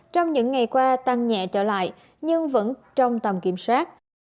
trong những ngày qua tăng nhẹ trở lại nhưng vẫn trong tầm kiểm soát